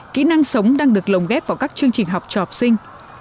kỹ năng sống đang được lồng ghép vào các chương trình học cho học sinh